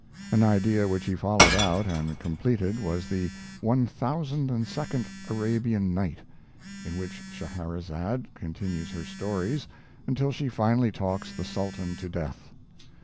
An idea which he followed out and completed was the 1002d Arabian Night, in which Scheherazade continues her stories, until she finally talks the Sultan to death.